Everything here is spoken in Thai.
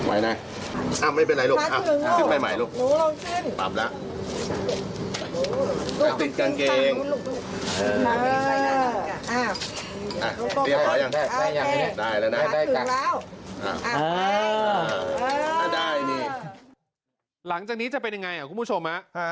อ่าถึงแล้วหลังจากนี้จะเป็นยังไงครับคุณผู้ชมนะ